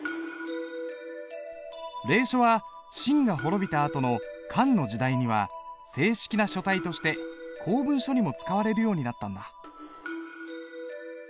隷書は秦が滅びたあとの漢の時代には正式な書体として公文書にも使われるようになったんだ。